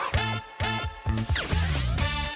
เมาจริง